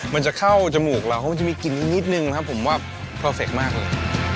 มันจะเข้าจมูกเราเพราะมันจะมีกลิ่นนิดนึงครับผมว่าเพอร์เฟคมากเลย